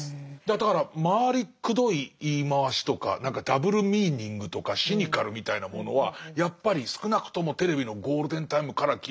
だから回りくどい言い回しとか何かダブルミーニングとかシニカルみたいなものはやっぱり少なくともテレビのゴールデンタイムから消えていきますもんね。